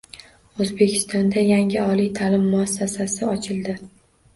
O‘zbekistonda yangi oliy ta’lim muassasasi ochildi